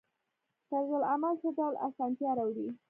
طرزالعمل څه ډول اسانتیا راوړي؟